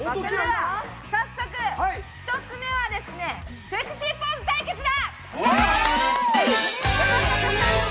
早速、一つ目はセクシーポーズ対決だ。